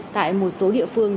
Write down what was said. tại một số địa phương